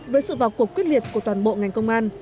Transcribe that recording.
với sự vào cuộc quyết liệt của toàn bộ ngành công an